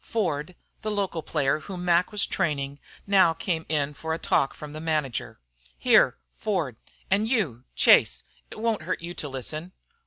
Ford, the local player whom Mac was training, now came in for a talk from the manager. "Here, Ford, an' you, Chase. It won't hurt you to listen.